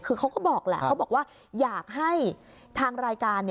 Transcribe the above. คือเขาก็บอกแหละเขาบอกว่าอยากให้ทางรายการ